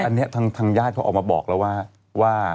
อันนี้ทางญาติเขาออกมาบอกแล้วว่า